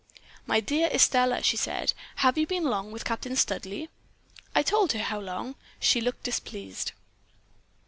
"'My dear Estelle,' she said, 'have you been long with Captain Studleigh?' "I told her how long, and she looked displeased.